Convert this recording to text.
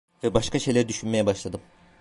Ve başka şeyler düşünmeye başladım.